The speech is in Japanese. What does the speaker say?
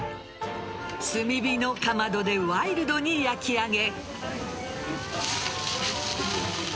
炭火のかまどでワイルドに焼き上げ。